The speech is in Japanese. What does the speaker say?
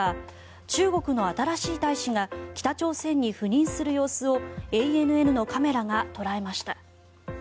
中国の新しい大使が北朝鮮に赴任する様子をＡＮＮのカメラが捉えました。